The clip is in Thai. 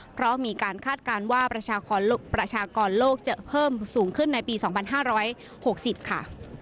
เพราะมีการคาดการณ์ว่าประชากรโลกจะเพิ่มสูงขึ้นในปี๒๕๖๐ค่ะ